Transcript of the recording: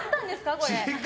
これ。